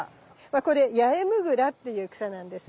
これヤエムグラっていう草なんですよ。